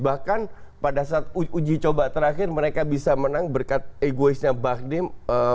bahkan pada saat uji coba terakhir mereka bisa menang berkat egoisnya bahdim